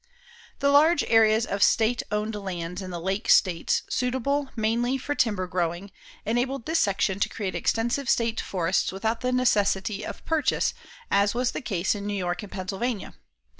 The large areas of state owned lands in the Lake States suitable, mainly, for timber growing, enabled this section to create extensive state forests without the necessity of purchase as was the case in New York and Pennsylvania.